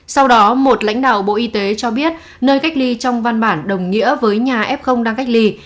sau đó một lãnh đạo bộ y tế cho biết nơi cách ly trong văn bản đồng nghĩa với nhà f đang cách ly